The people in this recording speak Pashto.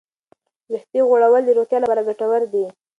ویښتې غوړول د روغتیا لپاره ګټور دي.